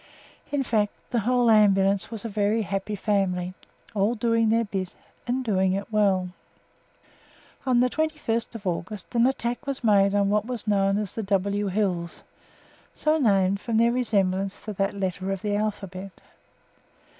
In fact, the whole Ambulance was a very happy family, all doing their bit and doing it well. On the 21st of August an attack was made on what were know as the W Hills so named from their resemblance to that letter of the alphabet.